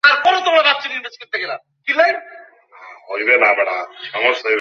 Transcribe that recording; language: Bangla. দ্বাপরযুগে তাঁর আবির্ভাব ঘটে।